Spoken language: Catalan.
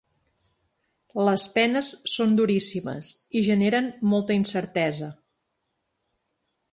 Les penes són duríssimes i generen molta incertesa.